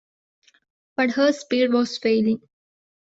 But her speed was failing.